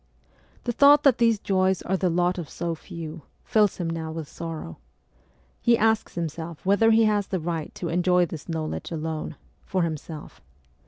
The thought that these joys are the lot of so few, fills him now with sorrow. He asks himself whether he has the right to enjoy this knowledge alone for himself.